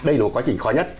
đây là quá trình khó nhất